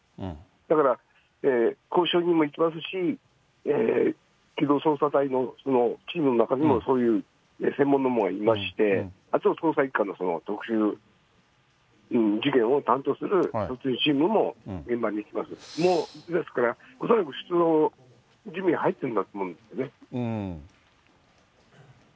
だから交渉人も行きますし、機動捜査隊のチームの中にも、そういう専門の者がいまして、あと捜査１課の特殊事件を担当するチームも現場に行くわけですけど、ですから恐らく準備に入ってるんだと思いますね。